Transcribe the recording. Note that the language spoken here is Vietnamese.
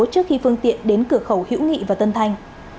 trước khi phương tiện đến cửa khẩu hữu nghị và tân thanh